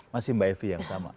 masih mbak evi yang sama